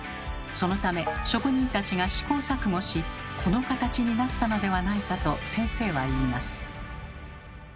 そのため職人たちが試行錯誤しこの形になったのではないかと先生は言います。